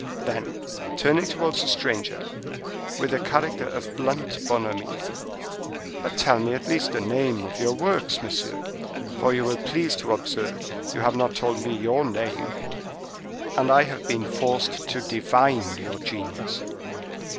Then, turning towards the stranger, with a character of blunt bonhomie: "But tell me at least the name of your works, monsieur; for you will please to observe you have not told me your name, and I have been forced to divine your genius."